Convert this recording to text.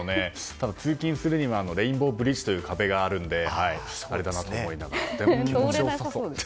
ただ、通勤するにはレインボーブリッジという壁があるのであれだなと思いながら。